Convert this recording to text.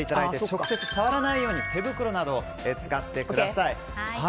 直接触らないように手袋などを使ってください。